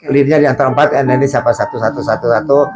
leadnya diantara empat dan ini siapa satu satu satu satu